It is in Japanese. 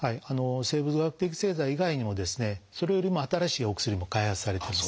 生物学的製剤以外にもそれよりも新しいお薬も開発されています。